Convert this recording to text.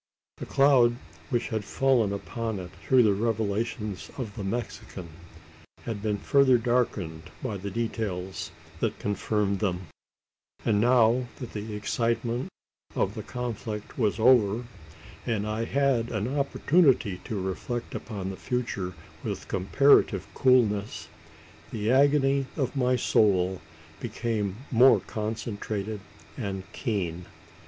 The cloud which had fallen upon it through the revelations of the Mexican, had been further darkened by the details that confirmed them; and now that the excitement, of the conflict was over, and I had an opportunity to reflect upon the future with comparative coolness, the agony of my soul became more concentrated and keen.